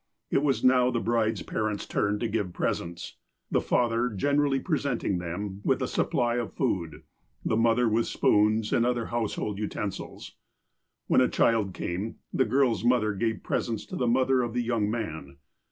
It was now the bride's parents' turn to give j)reseuts, the father"generally present ing them with a supply of food, the mother with spoons and other household utensils. When a child came, the girl's mother gave presents to the mother of the young man.